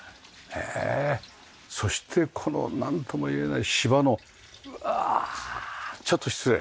そしてこのなんともいえない芝のうわあ！ちょっと失礼。